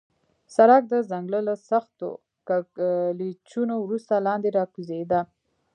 سړک د ځنګله له سختو کږلېچونو وروسته لاندې راکوزېده.